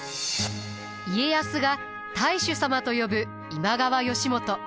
家康が太守様と呼ぶ今川義元。